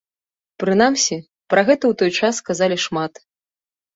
Прынамсі, пра гэта ў той час казалі шмат.